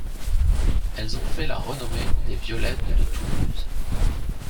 Elles ont fait la renommée des violettes de Toulouse.